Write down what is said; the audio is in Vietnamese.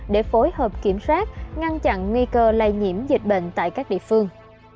để phối hợp kiểm soát ngăn chặn nguy cơ lây nhiễm dịch bệnh tại các địa phương